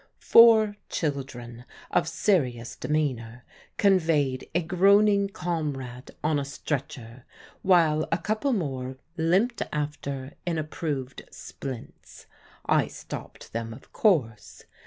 Four children of serious demeanour conveyed a groaning comrade on a stretcher, while a couple more limped after in approved splints. I stopped them, of course.